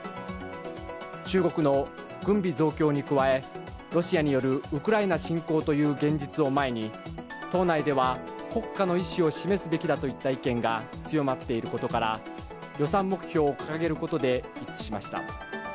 中国の軍備増強に加えロシアによるウクライナ侵攻という現実を前に党内では、国家の意思を示すべきだといった意見が強まっていることから予算目標を掲げることで一致しました。